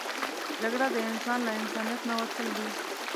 جګړه د انسان له انسانیت نه وتل دي